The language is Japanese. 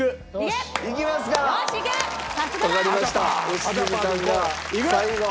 良純さんが最後。